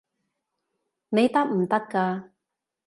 你得唔得㗎？